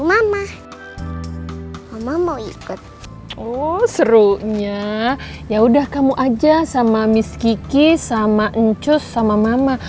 mama mau ikut oh serunya ya udah kamu aja sama miski sama encus sama mama